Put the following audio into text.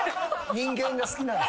人間が好きなんですね。